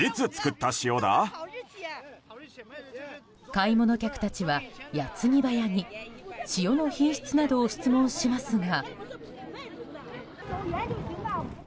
買い物客たちは矢継ぎ早に塩の品質などを質問しますが。